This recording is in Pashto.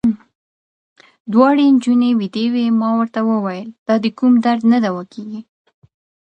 دواړې نجونې وېدې وې، ما ورته وویل: دا د کوم درد نه دوا کېږي.